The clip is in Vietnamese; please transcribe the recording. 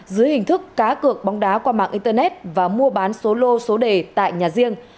dưới hình thức cá cược bóng đá qua mạng internet và mua bán số lô số đề tại nhà riêng